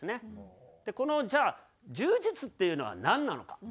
このじゃあ柔術っていうのはなんなのか？